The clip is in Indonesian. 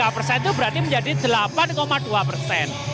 tiga persen itu berarti menjadi delapan dua persen